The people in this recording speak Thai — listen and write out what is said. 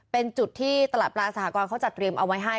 เป็นจุดที่ตลาดปลาสหกรเขาจัดเตรียมเอาไว้ให้